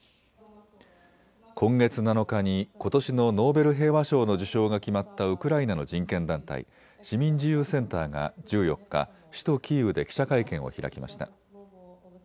今月７日にことしのノーベル平和賞の受賞が決まったウクライナの人権団体、市民自由センターが１４日、首都キーウで記者会見を開きました。